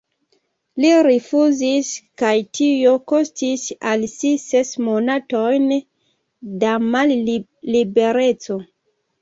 Li rifuzis, kaj tio kostis al li ses monatojn da mallibereco.